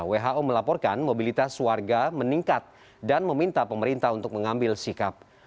who melaporkan mobilitas warga meningkat dan meminta pemerintah untuk mengambil sikap